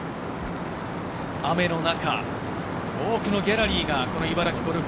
雨の中、多くのギャラリーが茨城ゴルフ